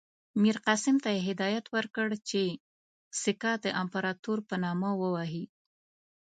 میرقاسم ته یې هدایت ورکړ چې سکه د امپراطور په نامه ووهي.